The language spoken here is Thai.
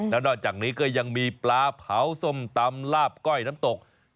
แล้วนอกจากนี้ก็ยังมีปลาเผาส้มตำลาบก้อยน้ำตก